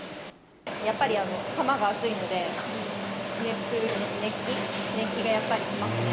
やっぱり釜が熱いので、熱気がやっぱり来ますね。